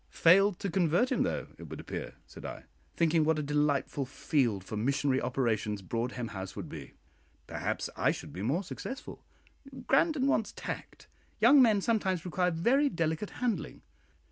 "Failed to convert him, though, it would appear," said I, thinking what a delightful field for missionary operations Broadhem House would be. "Perhaps I should be more successful. Grandon wants tact. Young men sometimes require very delicate handling."